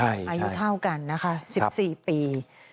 อายุเท่ากันนะคะ๑๔ปี